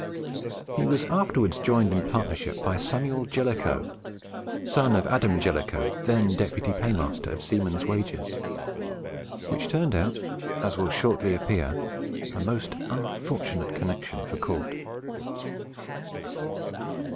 He was afterwards joined in partnership by Samuel Jellicoe (son of Adam Jellicoe, then Deputy Paymaster of Seamen's Wages), which turned out, as will shortly appear, a most unfortunate connection for Cort.